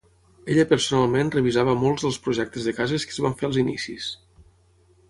Ella personalment revisava molts dels projectes de cases que es van fer als inicis.